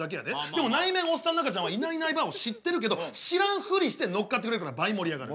でも内面おっさんの赤ちゃんはいないいないばあを知ってるけど知らんふりして乗っかってくれるから倍盛り上がる。